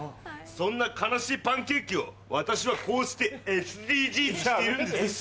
そんな悲しいパンケーキを私はこうしてＳＤＧｓしているんです。